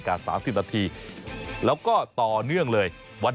ก็จะมีความสนุกของพวกเรา